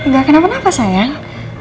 gak kenapa kenapa sayang